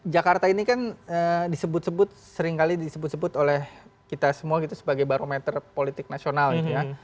jakarta ini kan disebut sebut seringkali disebut sebut oleh kita semua gitu sebagai barometer politik nasional gitu ya